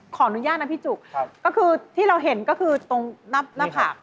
ขออนุญาตนะพี่จุกก็คือที่เราเห็นก็คือตรงหน้าผาก